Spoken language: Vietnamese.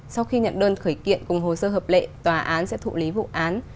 sau khi nhận đơn khởi kiện cùng hồ sơ hợp lệ tòa án sẽ thụ lý vụ án